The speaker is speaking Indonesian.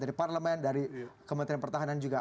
dari parlemen dari kementerian pertahanan juga